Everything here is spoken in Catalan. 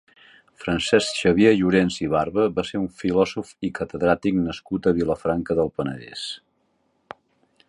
Francesc Xavier Llorens i Barba va ser un filòsof i catedràtic nascut a Vilafranca del Penedès.